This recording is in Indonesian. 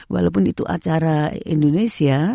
walaupun itu acara indonesia